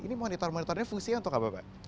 ini monitor monitornya fungsinya untuk apa pak